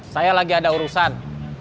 saya lagi ada urusan